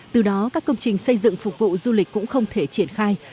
từ đó các công trình xây dựng phục vụ du lịch cũng không thể triển khai